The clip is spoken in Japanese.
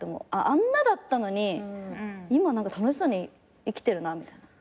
「あんなだったのに今楽しそうに生きてるな」みたいな。